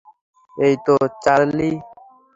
এইতো, চার্লি।